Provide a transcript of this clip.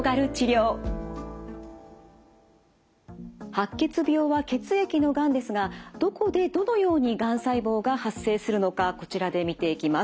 白血病は血液のがんですがどこでどのようにがん細胞が発生するのかこちらで見ていきます。